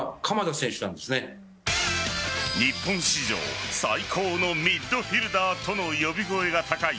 日本史上最高のミッドフィルダーとの呼び声が高い